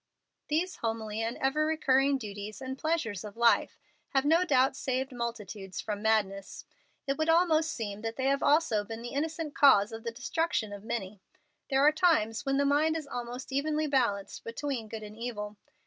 These homely and ever recurring duties and pleasures of life have no doubt saved multitudes from madness. It would almost seem that they have also been the innocent cause of the destruction of many. There are times when the mind is almost evenly balanced between good and evil.